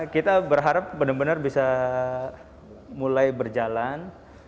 kita berharap benar benar bisa mulai berjalan